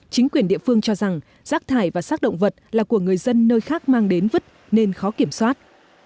chính quyền địa phương cho rằng rác thải và sác động vật là của người dân nơi khác mang đến vứt nên khó kiểm soát